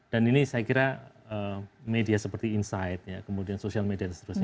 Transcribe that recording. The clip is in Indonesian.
dan ini saya kira media seperti insight kemudian social media dan seterusnya